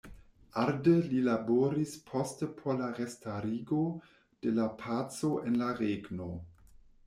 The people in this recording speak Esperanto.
Arde li laboris poste por la restarigo de la paco en la regno.